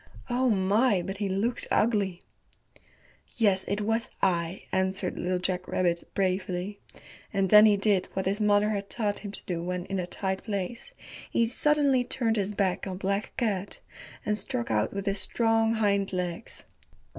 Oh my, but he looked ugly. "Yes, it was I," answered Little Jack Rabbit bravely, and then he did what his mother had taught him to do when in a tight place. He suddenly turned his back on Black Cat and struck out with his strong hind legs.